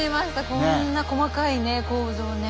こんな細かいね構造ね。